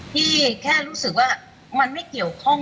พี่แค่รู้สึกว่ามันไม่เกี่ยวข้อง